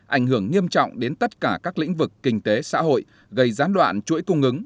ảnh hưởng nghiêm trọng đến tất cả các lĩnh vực kinh tế xã hội gây gián đoạn chuỗi cung ứng